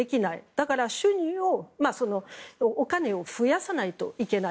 だから収入、お金を増やさないといけない。